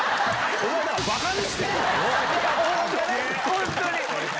本当に。